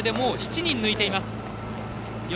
７人抜いています。